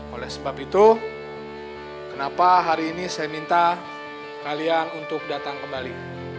oleh sebab itu kenapa hari ini saya minta kalian untuk datang kembali